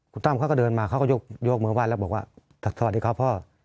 คุณตั้มเขาก็เดินมาเขาก็ยกยกเหมือนวันแล้วบอกว่าสวัสดีครับพ่อ